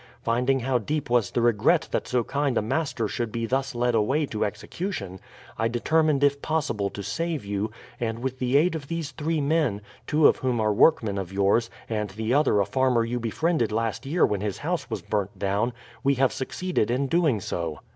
Finding how deep was the regret that so kind a master should be thus led away to execution, I determined if possible to save you, and with the aid of these three men, two of whom are workmen of yours, and the other a farmer you befriended last year when his house was burnt down, we have succeeded in doing so."